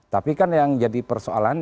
tapi kan yang jadi persoalan